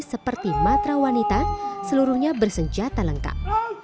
seperti matrawanita seluruhnya bersenjata lengkap